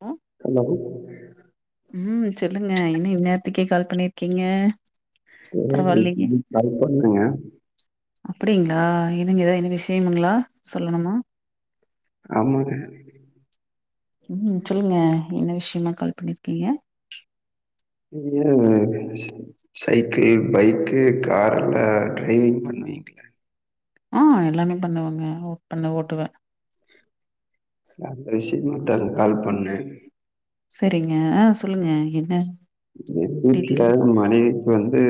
ம் ஹலோ ம் சொல்லுங்க என்ன இன்னேரத்துக்கே கால் பண்ணிருக்கீங்க பரவாயில்லைங்க [unintelligible] கால் பண்ணங்க அப்புடிங்ளா என்னங்க எதா என்ன விஷயமுங்களா சொல்லணுமா ஆமாங்க ம் சொல்லுங்க என்ன விஷயமா கால் பண்ணிருக்கீங்க [unintelligible] சைக்கிள் பைக்கு கார்ல ட்ரைவிங் பண்ணுவீங்ளா ஆ எல்லாமே பண்ணுவங்க ஒ பண்ணுவ ஓட்டுவே அத ரிசீவ் மட்டருக் கால் பண்ண சேரிங்க ஆ சொல்லுங்க என்ன எங்க வீட்ல டீட்டெயில் மனைவிக்கு வந்து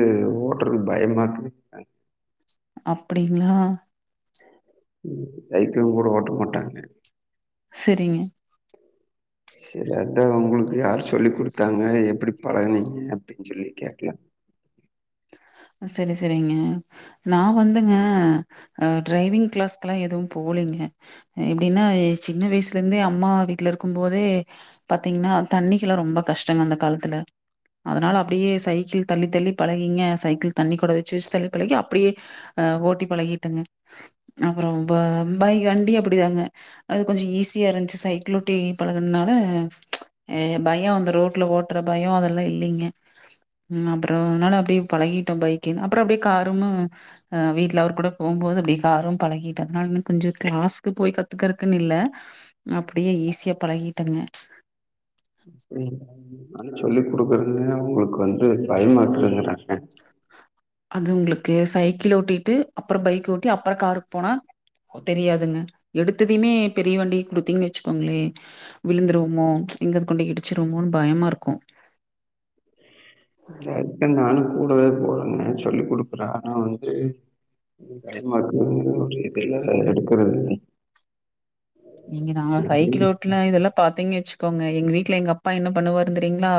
ஓட்ரக்கு பயமாருக்குதுன்றாங் அப்டிங்ளா சைக்கிளும் கூட ஓட்ட மாட்டாங்க சேரிங்க செரி அதா உங்குளுக்கு யார் சொல்லி குடுத்தாங்க எப்டி பழகனீங்க அப்டின் சொல்லி கேக்கலா செரி செரிங்க நா வந்துங்க அ ட்ரைவிங் க்ளாஸ்குல்லா எது போலைங்க எப்டினா சின்ன வய்சுல இருந்தே அம்மா வீட்ல இருக்கு போதே பாத்தீங்ன்னா தண்ணிகுல்லா ரொம்ப கஷ்டோங்க அந்த காலத்துல அதனால அப்டியே சைக்கிள் தள்ளி தள்ளி பழகிங்க சைக் தண்ணி கொடொ வெச்சு வெச்ச தள்ளி பழகி அப்டியே அ ஓட்டி பழகிட்டங்க அப்புறோ ப பைக் வண்டியு அப்டிதாங்க அது கொஞ்சோ ஈஸியா இருந்ச்சு சைக்கிலோட்டி பழகுன்னால பயோ அந்த ரோட்ல ஓட்ற பயோ அதல்லா இல்லீங்க ம் அப்புறோ அதனால அப்டியே பழகிடோ பைக்கு அப்புறோ அப்டியே காரூமு ஆ வீட்ல அவுர் கூட போம்போது அப்டியே காரு பழகிட்ட அதனால இன்னு கொஞ்சோ க்ளாஸ்க்கு போய் கத்துக்கறக்குன் இல்ல அப்டியே ஈஸியா பழகிட்டேங்க நாங்க சொல்லிக் கொடுக்குறது அவங்குளுக்கு வந்து பயமா இருக்குதுங்றாங்க அது உங்குளுக்கு சைக்கிள் ஓட்டிட்டு அப்புறோ பைக் ஓட்டி அப்புறோ காருக் போனா தெரியாதுங்க எடுத்ததையுமே பெரிய வண்டிய குடுத்தீங்கன் வெச்சுக்கோங்ளே விழுந்துருவமோ எங்கது கொண்டு இடிச்சுருவமோன் பயமாருக்கு அதுக்க்தா நானு கூடவே போறேன்னே சொல்லி குடுக்குறே ஆனா வந்து பயமா இருக்கு அதனால வண்டியே எடுக்கறது இல்லங்க இங்க நா சைக்கிள் ஓட்னா இதல்லா பாத்தீங்க வெச்சுக்கோங்க எங்க வீட்ல எங்க அப்பா என்ன பண்ணுவரு தெரியுங்ளா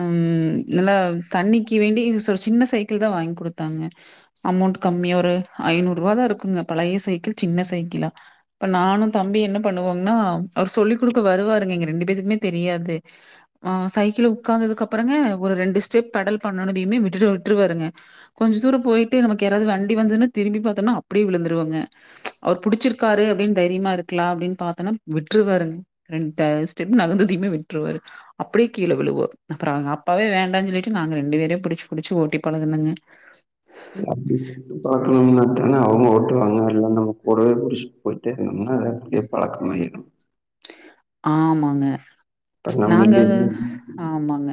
ம் நல்லா தண்ணிக்கு வேண்டி ஒரு சின்ன சைக்கிள் தா வாய்ங் குடுத்தாங்க அமௌண்ட் கம்மியா ஒரு ஐநூறுவாதா இருக்குங்க பழைய சைக்கிள் சின்ன சைக்கிளா அப்ப நானு தம்பி என்ன பண்ணுவோங்னா அவர் சொல்லி குடுக்க வருவாருங்க எங்க ரெண்டு பேருத்துக்குமே தெரியாது அவ சைக்கிள்ல உக்காந்ததுக் அப்பறங்க ஒரு ரெண்டு ஸ்டெப் பெடல் பண்ணெனதியுமே விட்டுடு விட்ருவாருங்க கொஞ்சோ தூர போய்ட்டு நமக்கு யராது வண்டி வந்துதுனு திரும்பி பாத்தோனா அப்டியே விழுந்துருவோங்க அவுர் புடிச்சிருக்காரு அப்டின் தைரியமா இருக் க்லா அப்டின் பாத்தோனா விட்டுறுவாருங்க ரெண்டு ஸ்டெப் நகந்ததியுமே விட்டுறுவாரு அப்டியே கீழ விழுவ்வோ அப்புறோங்க அப்பவே வேண்டான் சொல்லிட்டு நாங்க ரெண்டு பேரே புடிச்சு புடிச்சு ஓட்டி பழகனங்க அப்டிங்க ஓட்டி பழக்னாதான அவங்க ஓட்டுவாங்க இல்ல நம்ம கூடவே புடிச்சுட்டு போயிட்டே இருந்தோனா எப் வழக்கமாயிரும் ஆமாங்க இப்ப ச் நம்ம நாங்க எது இல்லையே ஆமாங்க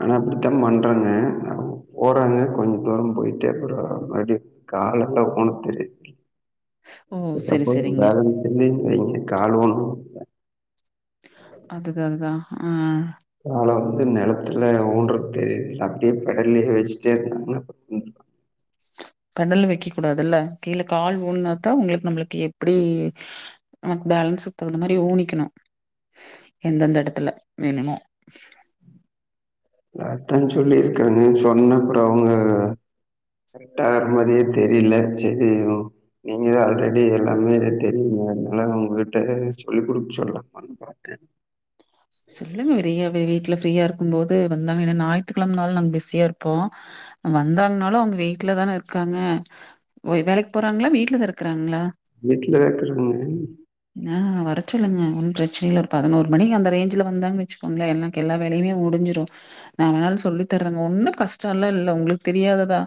ஆனா அப்டித்தா பண்றாங்க போறாங்க கொஞ்ச தூரம் போயிட்டே அப்புறம் மறுபடி கால எல்லா ஊன தெரில ஓ! இப்ப சரி, போய் சரிங்க. பேலன்ஸ் இல்லமா கால் ஊனி அதுக்காகதா ஆ கால வந்து நிலத்துல ஊண்ட்றது அப்டியே பெடல்லயே வச்சுட்டே இருந்தாங்கன்னா பெடல்ல வைக்க கூடாதுல்ல கீழ கால் ஊன்னாத்தா உங்களுக்கு நம்மளுக்கு எப்படி அ பேலன்ஸ் தகுந்த மாரி ஊனிக்கணும் எந்தெந்த எடத்துல வேணுமோ த்தான் சொல்லி இருக்காங்க சொன்ன அப்புறம் அவுங்க கரெக்ட் ஆன மாரியே தெரியல செரி நீங்க ஆல்ரெடி எல்லாமே தெரியும்ல அதனால உங்ககிட்ட சொல்லி குடுக்க சொல்லலாமா அதா பாத்தே சொல்லுங்க வெறைய வீட்டுல ஃப்ரீயா இருக்கும் போது வந்தாங்க ஏன்ன ஞாயித்துக்கிழமனால நாங்க பிஸியா இருப்போ வந்தாங்கனாலு அவுங்க வீட்டுலதான இருக்காங்க ஓ வேலைக்கு போறாங்களா வீட்டுலதா இருக்கிறாங்களா வீட்லதா இருக்காங்க [unintelligible] ஆ வரச்சொல்லுங்க ஒன்னு பிரச்சனல்ல பதினோரு மணி அந்த ரேஞ்ச் இதுல வந்தாங்கன் வச்சுக்கோங்கள்ளே எனக்கு எல்லா வேலையுமே முடிஞ்சிரும் நா வேணாலும் சொல்லி தர்றேங்க ஒன்னும் கஷ்டம் எல்லா இல்ல உங்களுக்கு தெரியாததா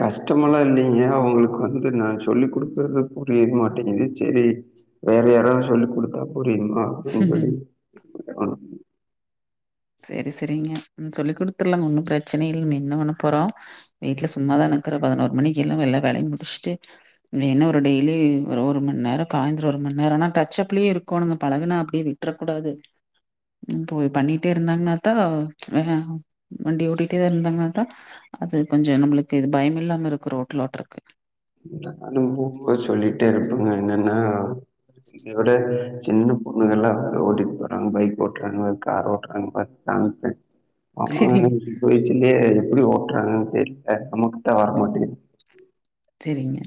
கஷ்டமெல்லா இல்லைங்க அவுங்களுக்கு வந்து நா சொல்லி குடுக்குறது புரிய மாட்டேங்குது செரி வேற யாராவது சொல்லிக் குடுத்தா புரியுமா அப்படின்னு சொல்லி செரி செரிங்க சொல்லி குடுத்துரலாங்க ஒன்னும் பிரச்சன இல்ல என்ன பன்ன போறோ வீட்டுல சும்மாதான இருக்கறோ பதினோரு மணிக்கு எழுந்து எல்லா வேலையு முடிச்சுட்டு என்ன ஒரு டெய்லி ஒரு ஒரு மண் நேரம் சாய்ந்தரம் ஒரு மண் நேரம்னா டச் அப்லேயே இருக்கோனு பழகுனா அப்டியே விட்றக்கூடாது ம் போய் பண்ணி ட்டே இருந்தாங்கன்னா தா ஏ வண்டி ஓட்டிட்டே இருந்தாங்கன்னா தா அது கொஞ்சோ நம்மளுக்கு இது பயமில்லாம இருக்கும் ரோட்டுல ஓட்டுறதுக்கு நானு போம்போது சொல்லிட்டே இருப்பாங்க என்னன்னா உன்னய விட சின்ன பொண்ணுகள்லா ஓட்டிட்டு போடுறாங்க பைக் ஓட்டுறாங்க கார் ஓட்டுறாங்க பாத்தியா அங்க சரிங்க, ஆமாங்க போயச்சுலயே எப்படி ஓட்டுறாங்கன் தெரியல நமக்குத்தா வரமாட்டேங்குது செரிங்க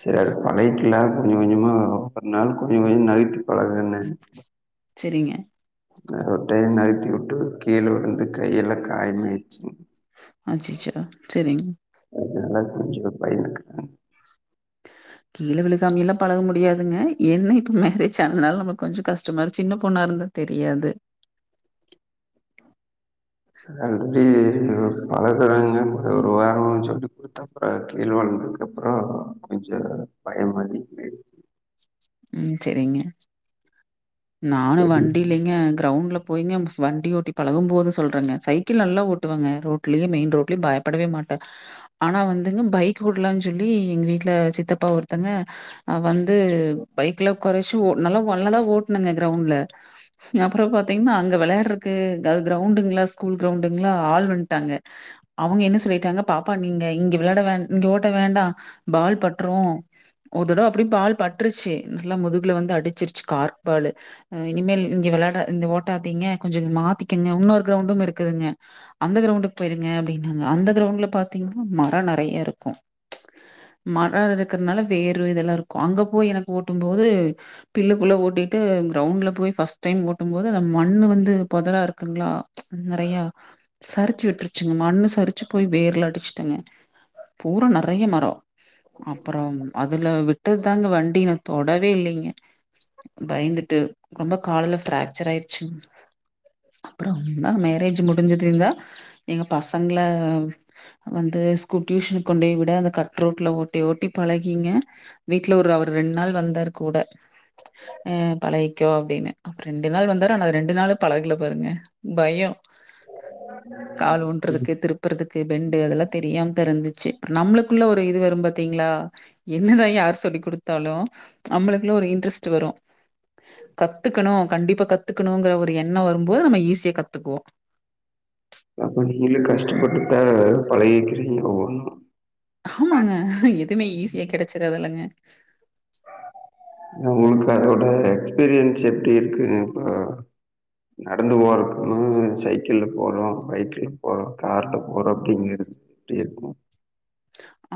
செரி அடுத்து பழகிக்கலா கொஞ்ச கொஞ்சமா ஒரு நாள் கொஞ்ச கொஞ்ச நைட்டு பழகுனே சரிங்க. ஒரு டையம் நிறுத்தி விட்டு கீழ விழுந்து கையெல்லா காயம் ஆயிடுச்சு அச்சச்சோ செரிங்க அதனால கொஞ்சோ பயம் இருக்கு கீழ விழுகாமெல்லா பழக முடியாதுங்க ஏன்னா இப்போ மேரேஜ் ஆனனால நம்மளுக்கு கொஞ்ச கஷ்டமாக இரு சின்ன பொண்ணா இருந்தா தெரியாது அதா இங்கயே நம்ம பழகலாங்க தரங்க ஒரு வாரமா சொல்லி குடுத் அப்போ கீழ விழுந்ததுக்கப்புறோ கொஞ்சோ பயம் வந்துச்சி உம் செரிங்க நானு வண் டியிலெங்க கிரௌண்ட்ல போயிங்க வண்டி ஓட்டி பழகும் போது சொல்றங்க சைக்கிள் நல்லா ஓட்டுவேங்க ரோ ட்லயு மெயின் ரோட்லயு பயப்படவே மாட்ட ஆனா வந்துங்க பைக் உட்லான் சொல்லி எங்க வீட்டுல சித்தப்பா ஒருத்தங்க அ வந்து பைக்ல ஒக்காற வெச்சி ஓ நல்லா மொல்லதா ஓட்னங்க கிரௌண்ட்ல அப்றோ பாத்தீங்கன்னா அங்க விளையாட்றக்கு க கிரௌண்டுங்களா ஸ்கூல் கிரௌண்டுங்களா ஆள் வந்டாங்க அவுங்க என்ன சொல்லிட்டாங்க பாப்பா நீங்க இங்க விளையாட வேண் இங்க ஓட்ட வேண்டா பால் பட்றோ ஒரு தடவ அப்டியு பால் பட்ருச்சு நல்லா முதுகுல வந்து அடிச்சிருச்சு கார்க் பால் ம் இனிமேல் இங்க விளையாட இங்க ஓட்டாத்தீங்க கொஞ்சோ மாத்திக்கங்க இன்னொரு கிரௌண்டு இருக்குதுங்க அந்த கிரௌண்டுக்கு போயிருங்க அப்டின்னாங்க அந்த கிரௌண்ட்ல பாத்தீங்கன்னா மரோ நறைய இருக்கு மரோ இருக்கறனால வேர்வ இதெல்லா இருக்கு அங்க போய் எனக்கு ஓட்டும் போது பிலுக்குள்ள ஓட்டிட்டு கிரௌண்ட்ல போய் ஃபர்ஸ்ட் டைம் ஓட்டும் போது அந்த மண்ணு வந்து பொதரா இருக்குங்களா நறையா சரிச்சி விட்டுருச்சுங்க மண்ணு சரிச்சு போய் வேர்ல அடிச்சுட்டேங்க பூரா நறைய மரோ அப்பறம் அதுல விட்டதுதாங்க வண்டி நா தொடவே இல்லைங்க பயந்துட்டு ரொம்ப கால்ல ஃப்ராக்சர் ஆயிருச்சுங்க அப்றோ மேரேஜ் முடிஞ்சதுந்தா எங்க பசங்கள வந்து ஸ்கூ டியூஷனுக்கு கொண்டு போய் விட அந்த கட்ரோட்ல ஓட்டி ஓட்டி பழகிங்க வீட்ல ஒரு அவர் ரெண்டு நாள் வந்தார் கூட அ பழகக்கோ அப்டின்னு அப்ப ரெண்டு நாள் வந்தாறு ஆனா அந்த ரெண்டு நாளு பழகல பாருங்க பயோ கால் உண்டுறதுக்கு திருப் திருப்பறதுக்கு பெண்டு அதெல்லா தெரியாம தா இருந்துச்சி நம்மளுக்குள்ள ஒரு இது வரும் பாத்தீங்களா என்னதா யார் சொல்லி குடுத்தாலு நம்மளுக்குள்ள ஒரு இன்ட்ரெஸ்ட் வரு கத்துக்கணு கண்டிப்பா கத் கத்துக்கணுங்கற ஒரு எண்ணோ வரும்போது நம்ம ஈஸியா கத்துக்குவோ அப்ப நீங்களே கஷ்டப்பட்டுதா பழகிக்கிறீங்க ஒவ்வொன்னு ஆமாங்க எதுவுமே ஈஸியா கெடைச்சிராதில்லைங்க உங்களுக்கு அதோட எக்ஸ்பீரியன்ஸ் எப்டி இருக்கு இப்ப நடந்து போறதுக்கோ சைக்கிள்ல போறோ பைக்ல போறோ கார்ல போறோ அப்டிங்கிறது எப்டி இருக்கோ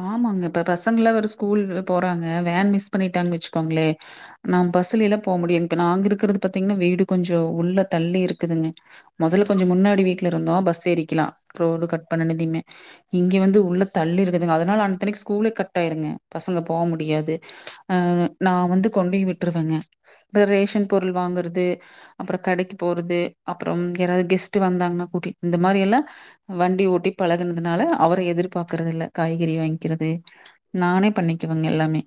ஆமாங்க இப்ப பசங்கல்லா வேற ஸ்கூல்ல போறாங்க வேன் மிஸ் பண்ணிட்டாங்க வெச்சுக்கோங்களே நா பஸ்ஸுலல்லா போ முடியாது இப்ப நாங் இருக்கறது பாத்தீங்கன்னா வீடு கொஞ்சோ உள்ள தள்ளி இருக்குதுங்க மொதல்ல கொஞ்சோ முன்னாடி வீட்டுல இருந்தோ பஸ் ஏரிக்லா ரோடு கட் பண்ணனதிமே இங்க வந்து உள்ள தள்ளி இருக்குதுங்க அதனால அன்தனைக்கு ஸ்கூலே கட் ஆாயிருங்க பசங்க போ முடியாது அ நா வந்து கொண்டேய் விட்டுருவேங்க அப்றோ ரேஷன் பொருள் வாங்குறது அப்றோ கடைக்கு போறது அப்புறம் யாராது கெஸ்ட் வந்தாங்கன்னா கூட்டிட்டு இந்த மாரி எல்லா வண்டி ஓட்டி பழகுனதுனால அவர எதிர் பாக்கறது இல்ல காய்கறி வாங்கிக்கிறது நானே பண்ணிக்குவேங்க எல்லாமே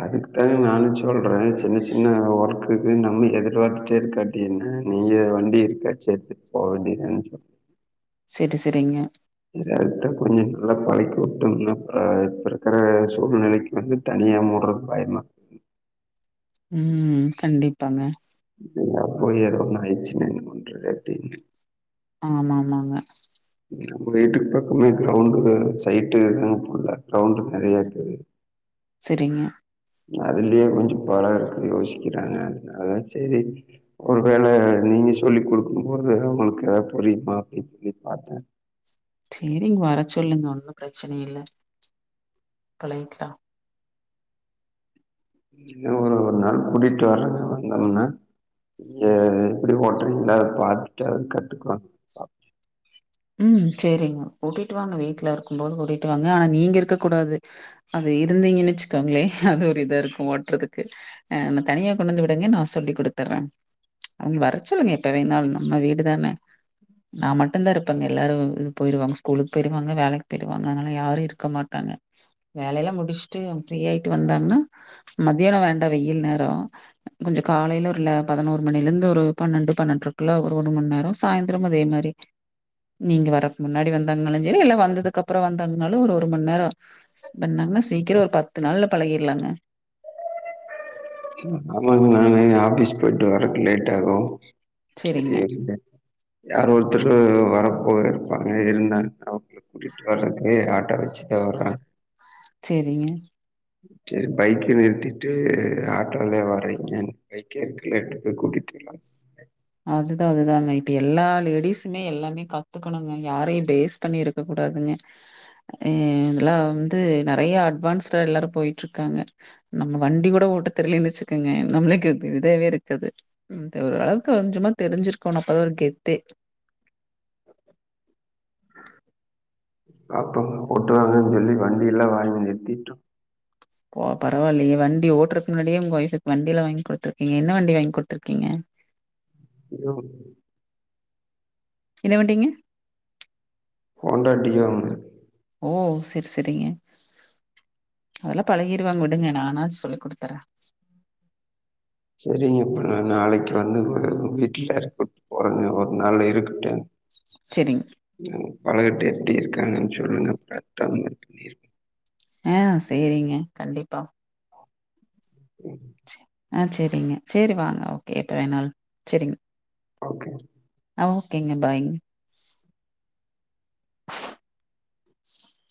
அதுக்குதாங்க நானு சொல்றே சின்ன சின்ன ஒர்க் அதுக்குன்னு நப்பி எதிர்பாத்துட்டே இருக்காட்டி என்ன நீங்க வண்டி எதுக்காச்சி எடுத்துட் போக வேண்டிதாங்க செரி செரிங்க டேரக்டா கொஞ்சோ நல்லா பழக்கி உட்டோம்னா இப்ப இருக்கற சூழ்நிலைக்கு வந்து தனியா மோட்றதுக்கு பயம்தா ம் கண்டிப்பாங்க நா போயே ரொம்ப நாளாயிடுச்சுங்க என்ன பண்ற எப்டின்னு ஆமா ஆமாங்க நம்ம வீட்டுக்கு பக்கமே கிரௌண்டு் சைட்டுங்க ஃபுல்லா கிரௌண்ட் நெறைய இருக்குது செரிங்க அதுலே கொஞ்சோ பலம் இருக்குது யோசிக்கிறாங்க அதனால சேரி ஒரு வேள நீங்க சொல்லி் குடுக்கும் போது உங்களுக்கு எதா புரியுமா அப்டின் சொல்லி பார்த்தேன் சேரி இங்க வர சொல்லுங்க ஒன்னும் பிரச்சனை இல்ல பழகிக்கலாம் இங்க ஒரு ஒரு நாள் கூட்டிட்டு வரங்க வந்தோம்னா எப்டி ஓட்டுறீங்கள பார்த்துட்டு அது கத்துக்கலாம் ம் சேரிங்க கூட்டிட்டு வாங்க வீட்ல இருக்கும் போது கூட்டிட்டு வாங்க ஆனா நீங்க இருக்க கூடாது அங்க இருந்தீங்கன்னு வச்சுக்கோங்களே அது ஒரு இதா இருக்கும் ஓட்டுறதுக்கு ஆ தனியா கொண்டுந்து விடுங்க நான் சொல்லி் கொடுத்துறேன் அவுங்க வரச்சொல்லுங்க எப்ப வேணாலும் நம்ம வீடுதானே நான் மட்டும்தான் இருப் பாங்க எல்லாரும் ம் போய்ருவாங்க ஸ்கூலுக்கு போய்டுவாங்க வேலைக்கு போய்டுவாங்க அதனால யாரும் இருக்க மாட்டாங்க வேலல்லாம் முடுச்சுட்டு அவுங்க ஃப்ரீயா ஆய்ட்டு வந்தாங்கன்னா மதியானம் வேண்டாம் வெயில் நேரோ கொஞ்சோ காலையில ஒருல பதினோரு மணில இருந்து ஒரு பன்னண்டு பன்னெண்றைக்குள்ள ஒரு ஒருமண் நேரோ சாய்ந்தரம் அதே மாரி நீங்க வரக்கு முன்னாடி வந்தாங்கனாலும் சேரி இல்ல வந்ததுக்கு அப்றோம் வந்தாங்கன்னாலும் ஒரு ஒருமண் நேரம் பண்ணாங்கன்னா சீக்கிரோ ஒரு பத்து நாள்ல பழகிறலாங்க ஆமாங்க நான் ஆபிஸ் போய்ட்டு வறக்கு லேட் ஆகும் சேரி செரிங்க இருங்க யார் ஒருத்தர் சொ வரப்போக இருப்பாங்க இருந்தா அவங்களுக்கு கூட்டிட்டு வர்றதுக்கு ஆட்டோ வச்சுதான் வர்றேன் சேரிங்க சேரி பைக்க நிறுத்திட்டு ஆ ட்டோலே வரேங்க பைக்கே இருக்குல எட்டு போய் கூட்டிட்டுள்ளாம் அதுதான் அதுதாங்க இப்ப எல்லா லேடிஸுமே எல்லாமே கத்துக்கணுங்க யாரையும் பேஸ் பண்ணி இருக் இருக்க கூடாதுங்க எ ஏன்ட்லாம் வந்து நறையா அட்வான்ஸ்டா எல்லாரும் போய்ட்டு இருக்காங்க நம்ம வண்டி கூட ஓட்ட தெர்லேனு வச்சுக்கேங்க நம்மளுக்கு இது இதேவே இருக்காது இந்த ஒரு அளவு கொஞ்சமா தெரிஞ்சிருக்கணும் அப்பதான் ஒரு கெத்தே அப்ப ஓட்டுவாங்கன்னு சொல்லி வண்டில்லாம் வாங்கி எத்திட்டோம் ஓ பரவாயில்லையே வண்டி ஓட்டுறக்கு முன்னாடியே உங்க ஒய்ஃப்க்கு வண்டியல்லா வாங்கி குடுத்துருக்கீங்க என்ன வண்டி வாங்கி குடுத்துருக்கீங்க டியோ என்ன வண்டீங்க ஹோண்டா டியோங்க ஓ சேர் சேரிங்க அதல்லாம் பழகிடுவாங்க விடுங்க நானா சொல்லி் குடுத்தற சேரிங்க இப்ப நான் நாளைக்கு வந்து கூட வீட்டுல உட் ஒரு ஒரு நாள் இருக்கட்டு சேரிங்க பழகிட்டு எப்டி இருக்காங்கன்னு சொல்லுங்கத்தத்த இருங்க ஆ சேரிங்க கண்டிப்பா பண்ணிருக்கோ ஆ சேரிங்க சேரி வாங்க ஓகே எத்தன நாள் சேரிங்க ஓகே ஆ ஓகேங்க பாய்